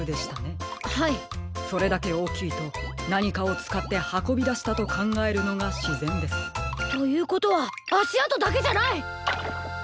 それだけおおきいとなにかをつかってはこびだしたとかんがえるのがしぜんです。ということはあしあとだけじゃない！